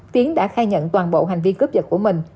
tiến đã khai nhận toàn bộ hành vi cướp giật của mình